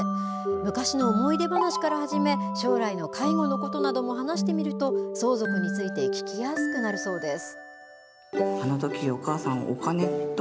昔の思い出話から始め、将来の介護のことなども話してみると、相続について聞きやすくなるそうです。